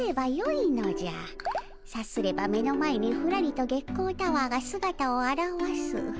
さすれば目の前にふらりと月光タワーがすがたをあらわす。